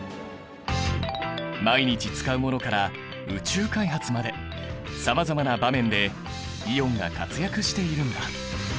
毎日使うものから宇宙開発までさまざまな場面でイオンが活躍しているんだ。